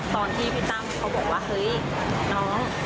ตอนที่พี่ตั้มเขาบอกว่าเฮ้ยน้อง